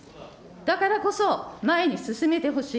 だからこそ前に進めてほしい。